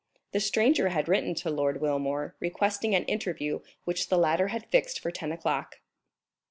The stranger had written to Lord Wilmore, requesting an interview, which the latter had fixed for ten o'clock.